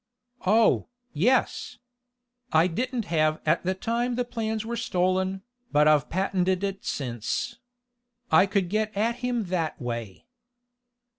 "Oh, yes. I didn't have at the time the plans were stolen, but I've patented it since. I could get at him that way."